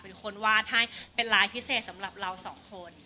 เป็นคนวาดให้เป็นลายพิเศษสำหรับเราสองคน